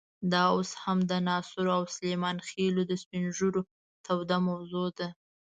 دا اوس هم د ناصرو او سلیمان خېلو د سپین ږیرو توده موضوع ده.